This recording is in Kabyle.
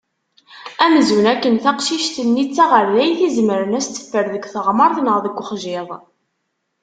Amzun akken taqcic-nni d taɣerdayt izemren ad as-teffer deg teɣmert neɣ deg uxjiḍ.